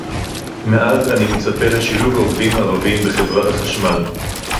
מאז אני מצפה לשילוב עובדים ערבים בחברת החשמל